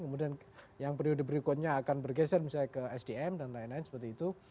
kemudian yang periode berikutnya akan bergeser misalnya ke sdm dan lain lain seperti itu